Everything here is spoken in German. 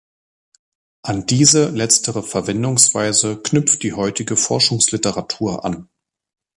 An diese letztere Verwendungsweise knüpft die heutige Forschungsliteratur an.